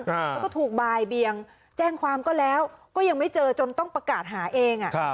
แล้วก็ถูกบ่ายเบียงแจ้งความก็แล้วก็ยังไม่เจอจนต้องประกาศหาเอง